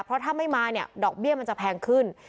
เพราะถ้าไม่มาเนี่ยดอกเบี้ยมันจะแพงขึ้น